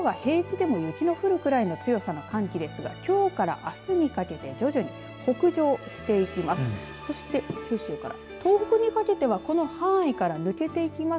この水色の所が平地でも雪の降るくらいの強さの寒気ですがきょうからあすにかけて徐々に北上していきます。